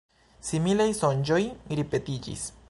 Similaj sonĝoj ripetiĝis.